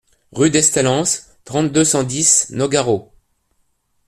Rue d'Estalens, trente-deux, cent dix Nogaro